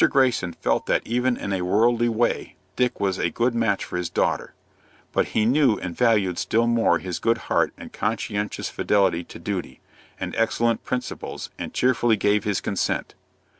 Greyson felt that even in a worldly way Dick was a good match for his daughter; but he knew and valued still more his good heart and conscientious fidelity to duty, and excellent principles, and cheerfully gave his consent.